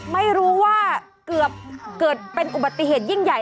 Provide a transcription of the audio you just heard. ไม่รู้ว่าเกือบเกิดเป็นอุบัติเหตุยิ่งใหญ่